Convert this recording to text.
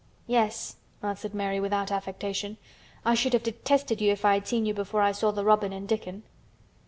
"Yes," answered Mary without any affectation. "I should have detested you if I had seen you before I saw the robin and Dickon."